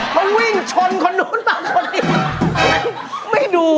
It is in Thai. ทุกคนมาชน